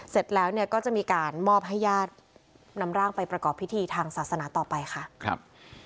เสร็จแล้วเนี่ยก็จะมีการมอบให้ญาตินำร่างไปประกอบพิธีทางศาสนาต่อไปค่ะครับ